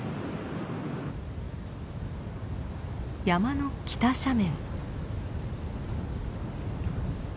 山の北斜面。